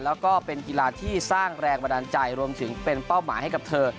แล้วก็เป็นกีฬาที่สร้างแรงบันดาลใจรวมถึงเป็นเป้าหมายให้กับเธอ